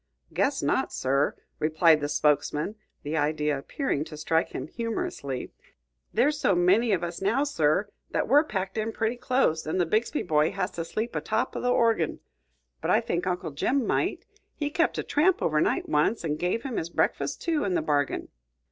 "Guess not, sir," replied the spokesman, the idea appearing to strike him humorously; "there's so many of us now, sir, that we're packed in pretty close, an' the Bixby boy has to sleep atop o' the orgin. But I think Uncle Jim might; he kept a tramp over night once, an' give him his breakfus', too, in the bargain."